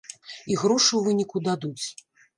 І грошы ў выніку дадуць.